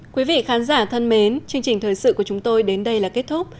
quý vị khán giả thân mến chương trình thời sự của chúng tôi đến đây là kết thúc